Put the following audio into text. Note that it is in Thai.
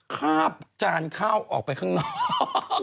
คาบจานข้าวออกไปข้างนอก